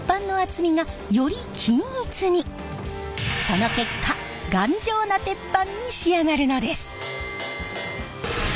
その結果頑丈な鉄板に仕上がるのです！